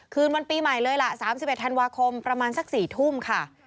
คืนวันปีใหม่เลยล่ะ๓๑ธันวาคมประมาณสัก๔ทุ่มค่ะ